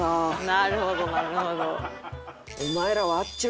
なるほどなるほど。